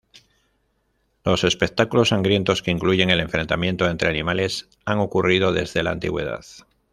Los espectáculos sangrientos que incluyen el enfrentamiento entre animales han ocurrido desde la antigüedad.